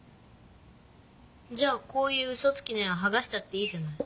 じゃあこういううそつきの絵ははがしたっていいじゃない。